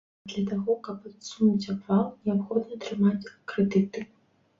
А для таго, каб адсунуць абвал, неабходна атрымаць крэдыты.